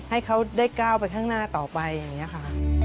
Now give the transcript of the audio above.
ให้เขาได้ก้าวไปข้างหน้าต่อไปอย่างนี้ค่ะ